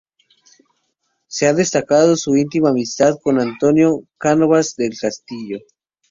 Se ha destacado su íntima amistad con Antonio Cánovas del Castillo.